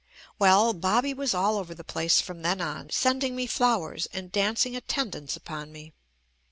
Well, Bobby was all over the place from then on, sending me flowers and dancing attendance upon me.